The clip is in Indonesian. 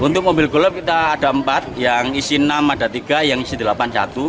untuk mobil golok kita ada empat yang isi enam ada tiga yang isi delapan puluh satu